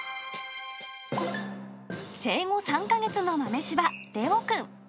生後３か月の豆シバ、令和くん。